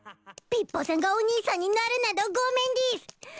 ピッポさんがお兄さんになるなどごめんでぃす！